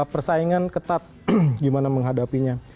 persaingan ketat gimana menghadapinya